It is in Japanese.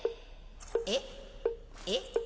えっ？えっ？